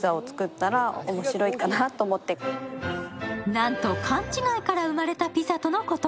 なんと、勘違いから生まれたピザとのこと。